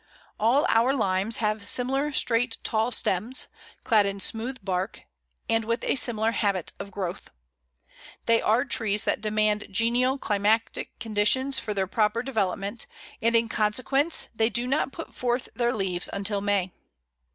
All our Limes have similar straight tall stems, clad in smooth bark, and with a similar habit of growth. They are trees that demand genial climatic conditions for their proper development, and in consequence they do not put forth their leaves until May.